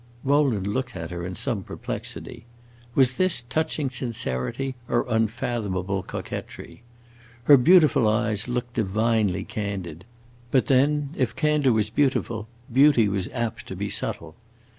Rowland looked at her in some perplexity. Was this touching sincerity, or unfathomable coquetry? Her beautiful eyes looked divinely candid; but then, if candor was beautiful, beauty was apt to be subtle.